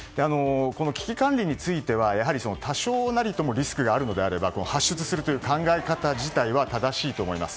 危機管理については多少なりともリスクがあるのであれば発出するという考え方自体は正しいと思います。